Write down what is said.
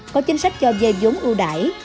có chính sách cho dây vốn ưu đải